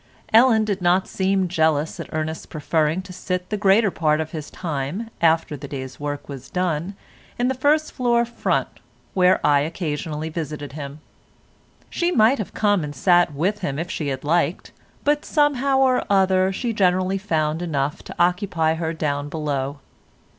Ellen did not seem jealous at Ernest's preferring to sit the greater part of his time after the day's work was done in the first floor front where I occasionally visited him. She might have come and sat with him if she had liked, but, somehow or other, she generally found enough to occupy her down below.